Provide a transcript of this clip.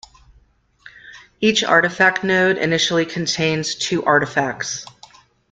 Each Artifact Node initially contains two Artifacts.